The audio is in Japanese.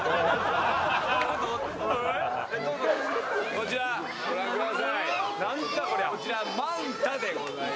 こちらをご覧ください。